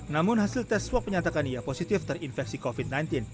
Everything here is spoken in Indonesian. namun hasil tes swab menyatakan ia positif terinfeksi covid sembilan belas